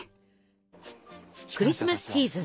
クリスマスシーズン